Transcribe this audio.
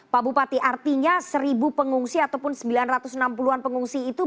pak bupati artinya seribu pengungsi ataupun sembilan ratus enam puluh an pengungsi itu